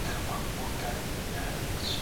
که مطالعه سوې وي نو ذهن نه تنګیږي.